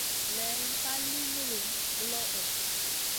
Layn ka li nullu guloʼo.